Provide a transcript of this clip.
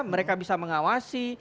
mereka bisa mengawasi